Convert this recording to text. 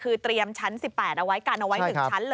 คือเตรียมฉัน๑๘เอาไว้กัน๑ฉัน